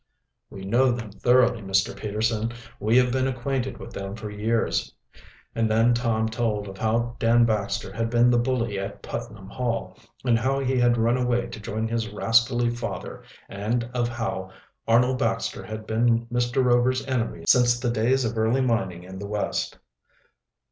"We know them thoroughly, Mr. Peterson. We have been acquainted with them for years." And then Tom told of how Dan Baxter had been the bully at Putnam Hall, and how he had run away to join his rascally father, and of how Arnold Baxter had been Mr. Rover's enemy since the days of early mining in the West.